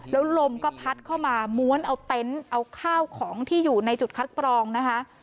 แล้วลมก็พัดเข้ามาม้วนเอาเต็นต์เอาข้าวของที่อยู่ในจุดคัดกรองนะคะ